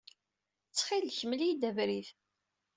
Ttxil-k, mel-iyi-d abrid.